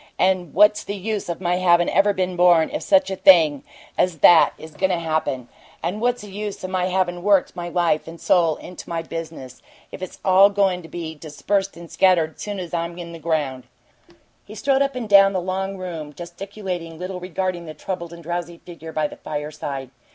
And what's the use of my havin' ever been born, if such a thing as that is goin' to happen? What's the use of my havin' worked my life and soul into my business, if it's all goin' to be dispersed and scattered soon as I'm in the ground?" He strode up and down the long room, gesticulating little regarding the troubled and drowsy figure by the fireside.